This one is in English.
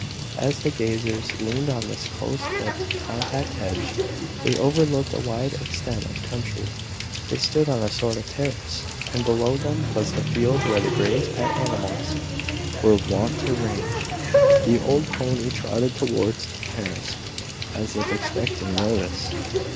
As the gazers leaned on this close clipped, compact hedge, they overlooked a wide extent of country. They stood on a sort of terrace, and below them was the field where the Greys' pet animals were wont to range. The old pony trotted towards the terrace, as if expecting notice.